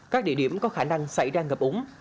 các địa điểm có khả năng xảy ra ngập úng